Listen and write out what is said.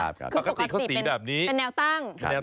ปกติเขาสีแบบนี้เป็นแนวตั้ง